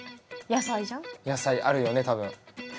野菜あるよね多分。